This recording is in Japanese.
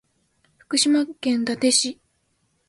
福島県伊達市